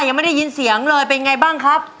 ยังไม่ได้ยินเสียงเลยเป็นไงบ้างครับ